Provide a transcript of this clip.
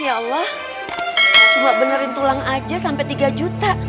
ya allah cuma benerin tulang aja sampai tiga juta